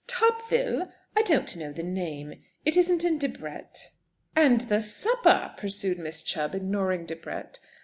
"Tubville? I don't know the name. It isn't in Debrett?" "And the supper!" pursued Miss Chubb, ignoring Debrett.